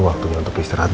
waktunya untuk istirahat